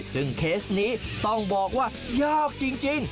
ซึ่งเคสนี้ต้องบอกว่ายากจริง